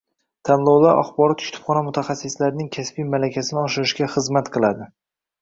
Tanlovlar axborot-kutubxona mutaxassislarining kasbiy malakasini oshirishga xizmat qilading